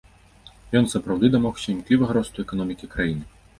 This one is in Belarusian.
Ён сапраўды дамогся імклівага росту эканомікі краіны.